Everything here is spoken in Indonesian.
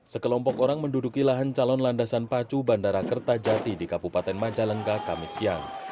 sekelompok orang menduduki lahan calon landasan pacu bandara kertajati di kabupaten majalengka kamis siang